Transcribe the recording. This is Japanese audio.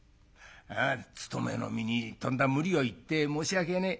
つとめの身にとんだ無理を言って申し訳ねえ。